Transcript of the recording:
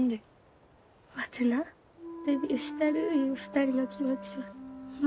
ワテなデビューしたるいう２人の気持ちはホンマ